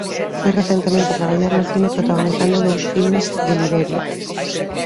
Foi recentemente a traballar no cine protagonizando dous filmes de Liberia.